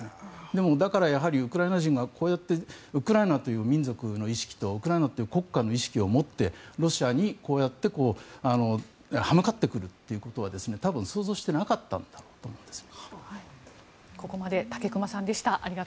でもだからやはりウクライナ人がこうやってウクライナという民族の意識とウクライナという国家の意識を持ってロシアにこうやって刃向かってくるということは多分想像してなかったんだろうと思います。